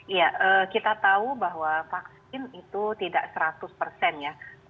iya kita tahu bahwa vaksin itu tidak seratus ya